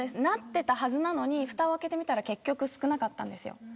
なっていたはずなのにふたを開けてみたら結局少なかったんですよ。